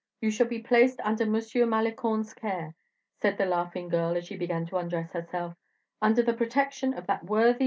You shall be placed under M. Malicorne's care," said the laughing girl, as she began to undress herself, "under the protection of that worthy M.